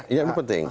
iya ini penting